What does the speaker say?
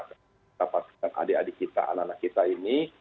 kita pastikan adik adik kita anak anak kita ini